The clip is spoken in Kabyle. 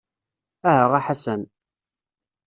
Aha a Ḥasan.